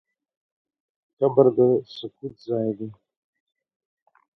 قبر د سکوت ځای دی.